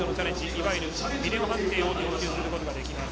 いわゆるビデオ判定を要求することができます。